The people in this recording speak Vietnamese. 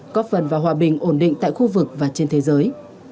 góp phần vào hòa bình ổn định tại khu vực và trên thế giới